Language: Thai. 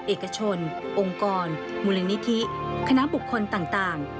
เอกชนองค์กรมูลนิธิคณะบุคคลต่าง